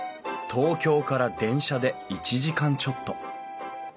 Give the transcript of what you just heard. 東京から電車で１時間ちょっと。